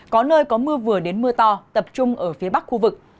có nơi có mưa vừa đến mưa to tập trung ở phía bắc khu vực